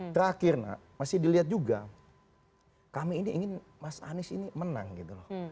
terakhir nak masih dilihat juga kami ini ingin mas anies ini menang gitu loh